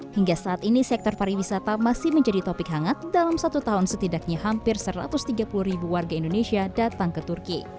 hingga saat ini sektor pariwisata masih menjadi topik hangat dalam satu tahun setidaknya hampir satu ratus tiga puluh ribu warga indonesia datang ke turki